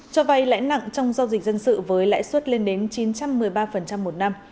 cho vay lãnh nặng trong giao dịch dân sự với lãi suất lên đến chín trăm một mươi ba một năm